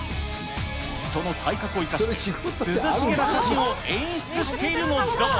その体格を生かして、涼しげな写真を演出しているのだ。